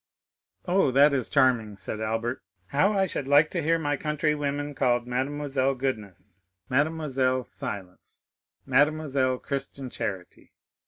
"Oh, that is charming," said Albert, "how I should like to hear my countrywomen called Mademoiselle Goodness, Mademoiselle Silence, Mademoiselle Christian Charity!